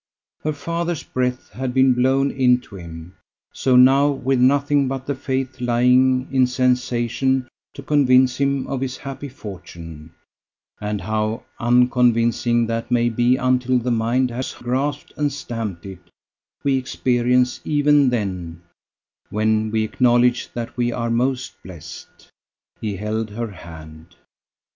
Her father's breath had been blown into him; so now, with nothing but the faith lying in sensation to convince him of his happy fortune (and how unconvincing that may be until the mind has grasped and stamped it, we experience even then when we acknowledge that we are most blessed), he held her hand.